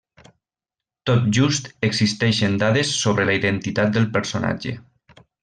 Tot just existeixen dades sobre la identitat del personatge.